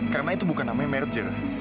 karena itu bukan namanya merger